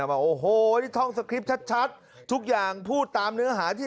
บอกโอ้โหนี่ท่องสคริปต์ชัดทุกอย่างพูดตามเนื้อหาที่